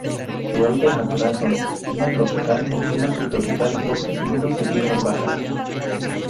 Su hábitat natural son: Clima tropical o Clima subtropical, bosques húmedos de tierras bajas.